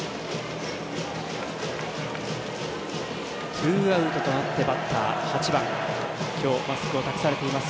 ツーアウトとなってバッター８番今日、マスクを託されています